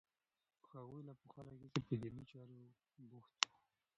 هغوی له پخوا راهیسې په دیني چارو بوخت وو.